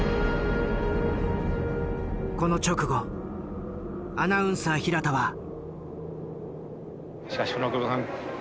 この直後アナウンサー平田は。